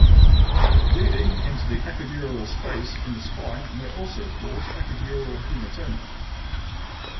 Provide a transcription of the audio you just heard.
Bleeding into the epidural space in the spine may also cause epidural hematoma.